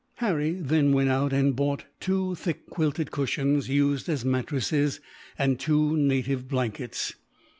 Harry then went out and bought two thick quilted cushions, used as mattresses, and two native blankets.